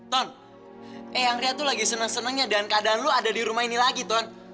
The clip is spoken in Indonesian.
ton eh yang ria tuh lagi seneng senengnya dan keadaan lu ada di rumah ini lagi ton